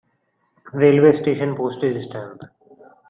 Railway station Postage stamp.